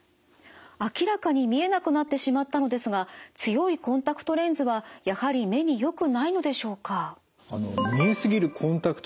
明らかに見えなくなってしまったのですが強いコンタクトレンズはやはり目によくないのでしょうか？